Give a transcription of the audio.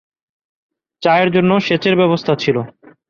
চাষের জন্য সেচের ব্যবস্থা ছিল।